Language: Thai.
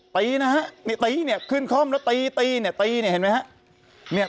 ตีนะครับตีนี่ขึ้นคล่อมแล้วตีตีเห็นไหมครับ